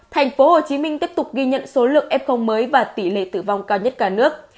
thành phố hồ chí minh tiếp tục ghi nhận số lượng f mới và tỷ lệ tử vong cao nhất cả nước